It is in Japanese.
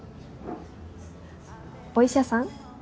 お医者さん。